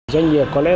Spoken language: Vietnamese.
doanh nghiệp có lẽ